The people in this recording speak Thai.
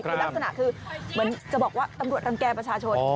คือลักษณะคือเหมือนจะบอกว่าตำรวจรังแก่ประชาชน